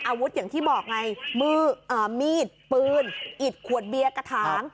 อาวุธอย่างที่บอกไงมืออ่ามีดปืนอิดขวดเบี้ยกระท้าง